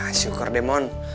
ya syukur deh mon